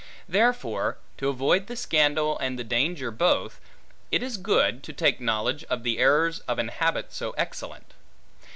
Therefore, to avoid the scandal and the danger both, it is good, to take knowledge of the errors of an habit so excellent.